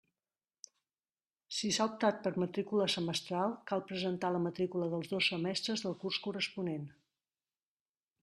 Si s'ha optat per matrícula semestral, cal presentar la matrícula dels dos semestres del curs corresponent.